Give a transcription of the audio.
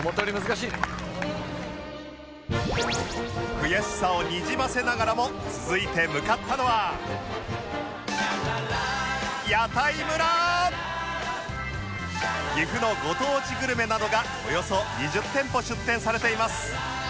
悔しさをにじませながらも岐阜のご当地グルメなどがおよそ２０店舗出店されています